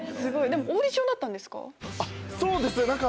オーディションだったんですか？